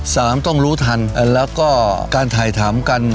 สามต้องรู้ทันแล้วก็การถ่ายถามกัน